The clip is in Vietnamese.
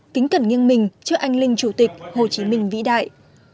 kính cẩn nghiêng mình trước anh linh chủ tịch hồ chí minh vĩ đại